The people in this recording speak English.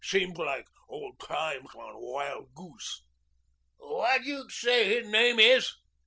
"Seems like old times on Wild Goose." "Whad you say his name is?"